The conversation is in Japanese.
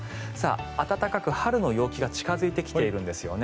暖かく春の陽気が近付いてきているんですよね。